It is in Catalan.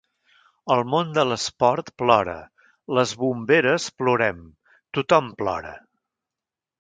El món de l’esport plora, les bomberes plorem… tothom plora.